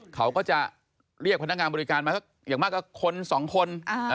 เขาก็จะเรียกพนักงานบริการมาอย่างมากกว่าคน๒คน